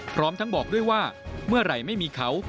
พร้อมทั้งบอกด้วยว่าเมื่อไหร่ไม่มีเขา